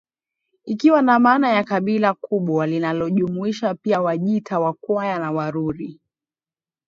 ikiwa na maana ya kabila kubwa linalojumuisha pia Wajita Wakwaya na Waruri